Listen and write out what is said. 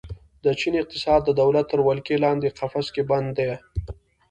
د چین اقتصاد د دولت تر ولکې لاندې قفس کې بندي ده.